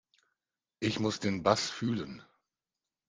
Ich muss den Bass fühlen.